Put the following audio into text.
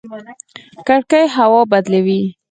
کړکۍ هوا بدلوي